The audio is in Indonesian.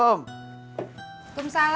lebih baik kau tanya sendiri sama orangnya